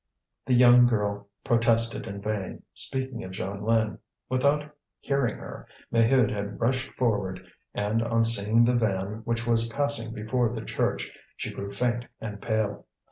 The young girl protested in vain, speaking of Jeanlin. Without hearing her, Maheude had rushed forward. And on seeing the van, which was passing before the church, she grew faint and pale.